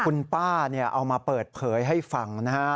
คุณป้าเอามาเปิดเผยให้ฟังนะฮะ